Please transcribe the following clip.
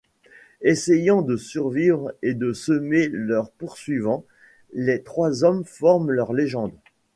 Essayant de survivre et de semer leurs poursuivants, les trois hommes forgent leur légende.